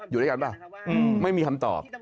อยู่ด้วยกันป่ะไม่มีคำตอบ